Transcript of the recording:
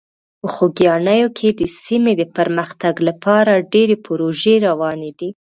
په خوږیاڼي کې د سیمې د پرمختګ لپاره ډېرې پروژې روانې دي.